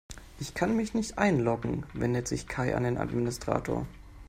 Ich kann mich nicht einloggen, wendet sich Kai an den Administrator.